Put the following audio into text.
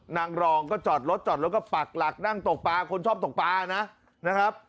นางรองก็จอดรถจอดรถก็ปักหลักนั่งตกปลาคนชอบตกปลานะครับ